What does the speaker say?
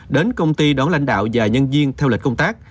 đến công ty đón lãnh đạo và nhân viên theo lịch công tác